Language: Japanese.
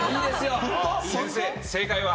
先生正解は？